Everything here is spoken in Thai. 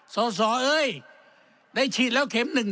ส่วนส่วนส่วนเอ้ยได้ฉีดแล้วเข็มหนึ่ง